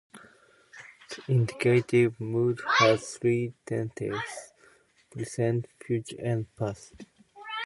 The indicative mood has three tenses: present, future and past.